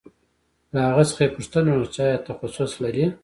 له هغه څخه یې پوښتنه وکړه چې آیا تخصص لرې